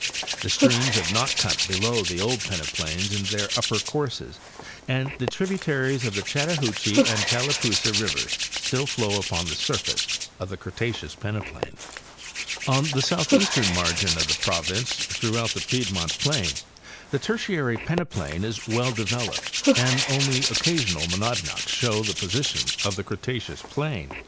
The streams have not cut below the old peneplains in their upper courses and the tributaries of the Chattahoochee and Tallapoosa rivers still flow upon the surface of the Cretaceous peneplain. On the southeastern margin of the province, throughout the 85 Hayes and Camphell—Appalachian Geomorphology. piedmont plain, the Tertiary peneplain is well develoned and only occasional monadnocks show the position of the Cretaceous plain.